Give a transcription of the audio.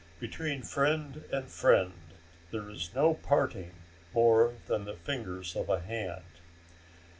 Between friend and friend there is no parting more than the fingers of a hand."